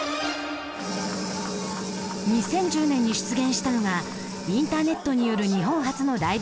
２０１０年に出現したのがインターネットによる日本初のライブ